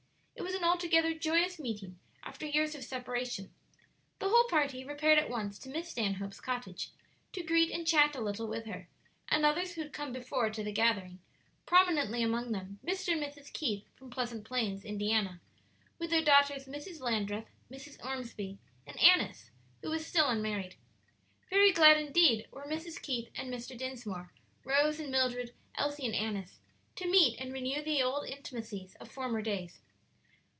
It was an altogether joyous meeting, after years of separation. The whole party repaired at once to Miss Stanhope's cottage, to greet and chat a little with her and others who had come before to the gathering; prominently among them Mr. and Mrs. Keith from Pleasant Plains, Indiana, with their daughters, Mrs. Landreth, Mrs. Ormsby, and Annis, who was still unmarried. Very glad indeed were Mrs. Keith and Mr. Dinsmore, Rose and Mildred, Elsie and Annis to meet and renew the old intimacies of former days.